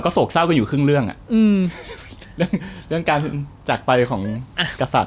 โศกเศร้ากันอยู่ครึ่งเรื่องอ่ะอืมเรื่องเรื่องการจากไปของกษัตริย